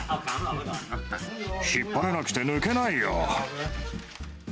引っ張れなくて抜けないよ。